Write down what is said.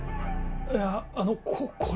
いやあのここれ。